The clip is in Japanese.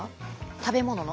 食べ物の。